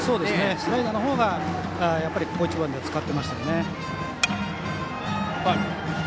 スライダーのほうがここ一番で使っていましたよね。